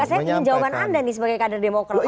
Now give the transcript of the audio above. saya ingin jawaban anda nih sebagai kader demokrat